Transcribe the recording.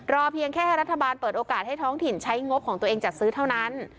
เพียงแค่ให้รัฐบาลเปิดโอกาสให้ท้องถิ่นใช้งบของตัวเองจัดซื้อเท่านั้น